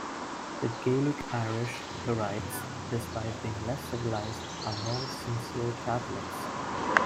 The Gaelic Irish, he writes, despite being less civilised, are more sincere Catholics.